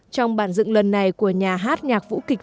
trong bản dựng lần này của nhà hát nhạc vũ kịch